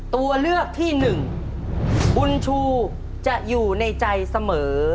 ตัวเลือกที่หนึ่งบุญชูจะอยู่ในใจเสมอ